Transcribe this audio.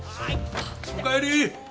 おかえり！